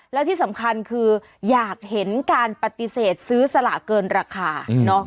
และที่สำคัญคืออยากเห็นการปฏิเสธซื้อสลากเกินราคา